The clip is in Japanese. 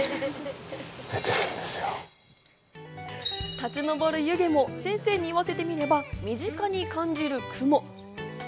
立ち上る湯気も先生に言わせてみれば、身近に感じる雲。